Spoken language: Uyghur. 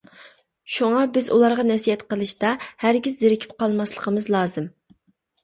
شۇڭا بىز ئۇلارغا نەسىھەت قىلىشتا ھەرگىز زېرىكىپ قالماسلىقىمىز لازىم.